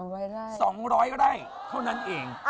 ๒๐๐ไร่เท่านั้นเอง